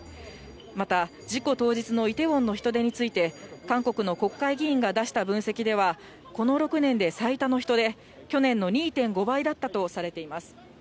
また、事故当日のイテウォンの人出について、韓国の国会議員が出した分析では、この６年で最多の人出、去年の２．５倍だったとされています。